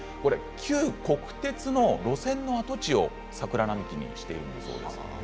旧国鉄の路線の跡地を桜並木にしているんです。